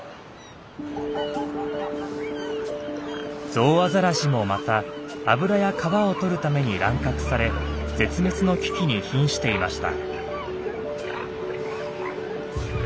ゾウアザラシもまた油や皮をとるために乱獲され絶滅の危機にひんしていました。